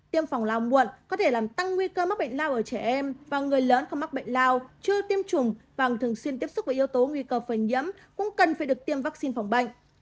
tiêm phòng lao muộn có thể làm tăng nguy cơ mắc bệnh lao ở trẻ em và người lớn không mắc bệnh lao chưa tiêm chủng và thường xuyên tiếp xúc với yếu tố nguy cơ phơi nhiễm cũng cần phải được tiêm vaccine phòng bệnh